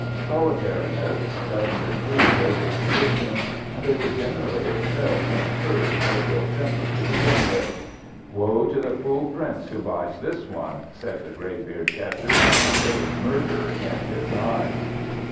Solitariness doesn't improve their dispositions, and they were generally expelled from a herd for ill temper to begin with. "Woe to the fool prince who buys this one!" said the grey beard catchers. "There is murder in his eyes."